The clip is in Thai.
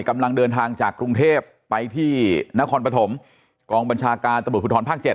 กำลังเดินทางจากกรุงเทพไปที่นครปฐมกองบัญชาการตำรวจภูทรภาค๗